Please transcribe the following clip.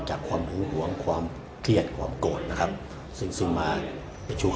ถ้าว่ามาถึงแล้วก็ต้องบอกเป็นไงอ่ะพระท่าน